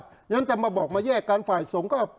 เพราะฉะนั้นจะมาบอกมาแยกกันฝ่ายสงฆ์ก็